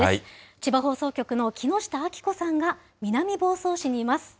千葉放送局の木下愛季子さんが南房総市にいます。